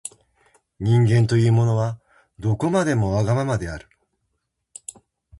人間というものは、どこまでもわがままである。